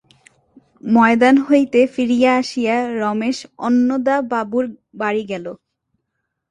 ময়দান হইতে ফিরিয়া আসিয়া রমেশ অন্নদাবাবুর বাড়ি গেল।